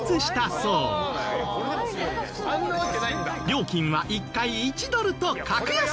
料金は１回１ドルと格安！